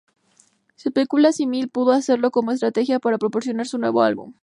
Se especula si Mill pudo hacerlo como estrategia para promocionar su nuevo álbum.